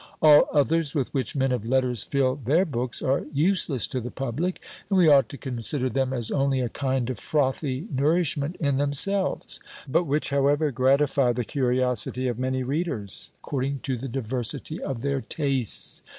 All others with which men of letters fill their books are useless to the public; and we ought to consider them as only a kind of frothy nourishment in themselves; but which, however, gratify the curiosity of many readers, according to the diversity of their tastes.